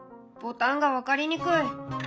「ボタンが分かりにくい！」。